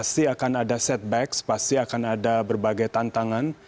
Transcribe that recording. pasti akan ada setback pasti akan ada berbagai tantangan